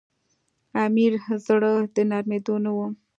امیر زړه د نرمېدلو نه وو.